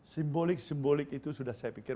simbolik simbolik itu sudah saya pikir